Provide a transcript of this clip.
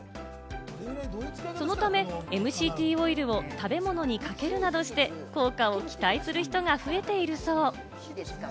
そのためＭＣＴオイルを食べ物にかけるなどして効果を期待する人が増えているそう。